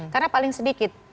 karena paling sedikit